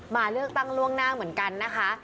มาเลือกตั้งล่วงหน้าเหมือนกันนะคะ